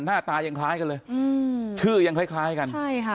หน้าตายังคล้ายกันเลยชื่อยังคล้ายกัน